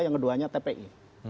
yang keduanya tpi